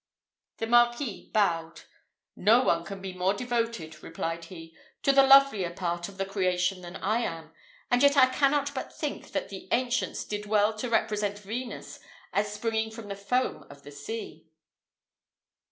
The Marquis bowed. "No one can be more devoted," replied he, "to the lovelier part of the creation than I am, and yet I cannot but think that the ancients did well to represent Venus as springing from the foam of the sea."